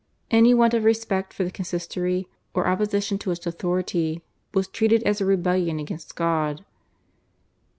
Any want of respect for the Consistory or opposition to its authority was treated as a rebellion against God.